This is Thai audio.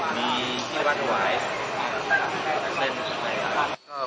สวัสดีครับ